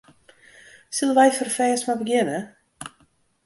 Sille wy ferfêst mar begjinne?